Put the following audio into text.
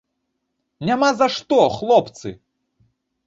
Няма за што, хлопцы!